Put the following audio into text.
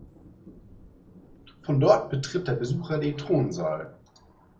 Von dort betritt der Besucher den "Thronsaal".